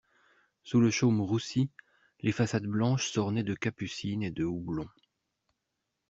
Sous le chaume roussi, les façades blanches s'ornaient de capucines et de houblon.